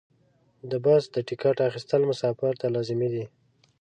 د بس د ټکټ اخیستل مسافر ته لازمي دي.